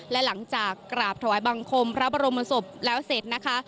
และหลังจากกราบถวายบังคมพระบรมศพแล้วเสร็จนะคะ